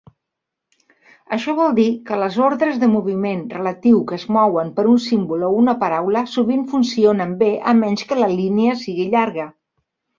Això vol dir que les ordres de moviment relatiu que es mouen per un símbol o una paraula sovint funcionen bé a menys que la línia sigui llarga.